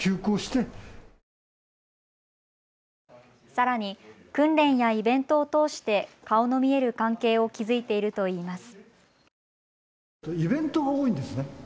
さらに訓練やイベントを通して顔の見える関係を築いているといいます。